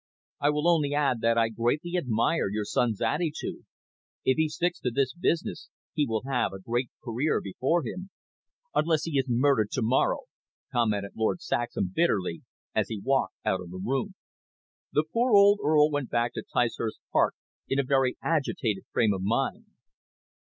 I will only add that I greatly admire your son's attitude. If he sticks to this business, he will have a great career before him." "Unless he is murdered to morrow," commented Saxham bitterly, as he walked out of the room. The poor old Earl went back to Ticehurst Park in a very agitated frame of mind.